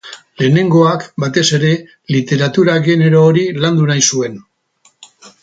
Lehenengoak, batez ere, literatura genero hori landu nahi zuen.